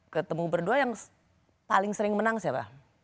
ketemu berdua yang paling sering menang siapa